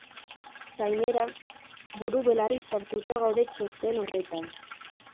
Gainera, buru belarri sartuta gaude txosten horretan.